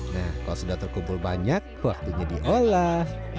nah kalau sudah terkumpul banyak waktunya diolah